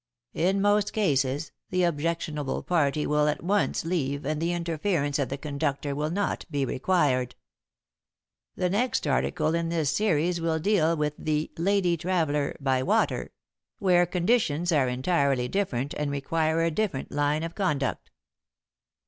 "'In most cases, the objectionable party will at once leave and the interference of the conductor will not be required. "'The next article in this series will deal with "The Lady Traveller by Water," where conditions are entirely different and require a different line of conduct.'"